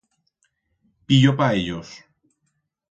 Piyor pa ellos.